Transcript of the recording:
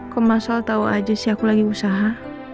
kok mas al tau aja sih aku lagi usaha